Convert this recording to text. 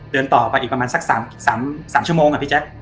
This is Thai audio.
เดินต่อไปอีกประมาณสัก๓ชั่วโมงอะพี่แจ๊ค